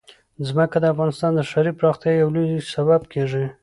ځمکه د افغانستان د ښاري پراختیا یو لوی سبب کېږي.